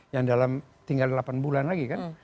yang dalam tinggal delapan bulan lagi kan